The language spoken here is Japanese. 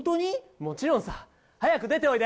もちろんさ、早く出ておいで！